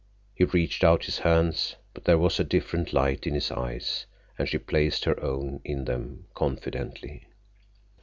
He reached out his hands, but there was a different light in his eyes, and she placed her own in them confidently.